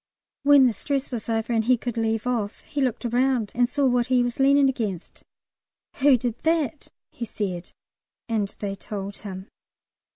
When the stress was over and he could leave off, he looked round and saw what he was leaning against. "Who did that?" he said. And they told him.